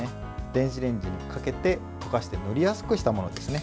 電子レンジにかけて溶かして塗りやすくしたものです。